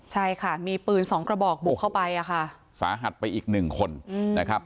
ใช่ค่ะมีปืนสองกระบอกบุกเข้าไปอ่ะค่ะสาหัสไปอีกหนึ่งคนนะครับ